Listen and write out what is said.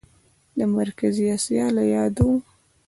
د مرکزي اسیا له یادو